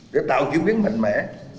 để tạo chuyển biến mạnh mẽ